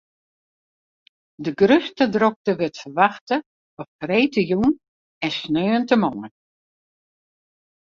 De grutste drokte wurdt ferwachte op freedtejûn en sneontemoarn.